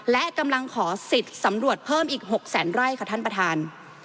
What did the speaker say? และกำลังขอสิทธิ์สำรวจเพิ่มอีก๖แสนไร่ค่ะท่านประธาน